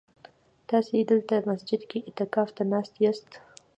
تاسي دلته مسجد کي اعتکاف ته ناست ياست؟